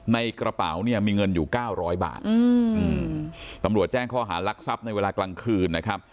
ในกระเป๋าเนี่ยมีเงินอยู่เก้าร้อยบาทอืมตำรวจแจ้งข้อหารักทรัพย์ในเวลากลางคืนนะครับ